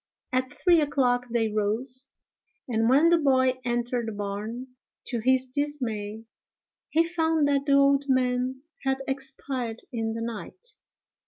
At three o'clock they rose, and when the boy entered the barn, to his dismay, he found that the old man had expired in the night.